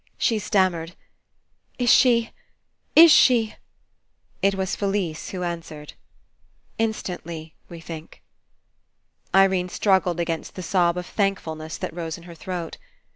She stammered: *'Is she — is she —?" It was Felise who answered. "Instantly, we think." f^ Irene struggled against the sob of [ than kfulness that rose in her throat.